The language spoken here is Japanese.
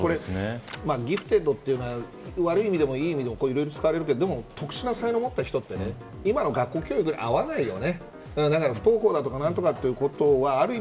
才能がこうやって役に立てて認められるというのはギフテッドというのは悪い意味でもいい意味でもいろいろ使われるけどでも特殊な才能を持った人って今の学校教育に合わないよね。